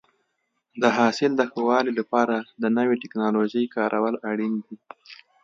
د حاصل د ښه والي لپاره د نوې ټکنالوژۍ کارول اړین دي.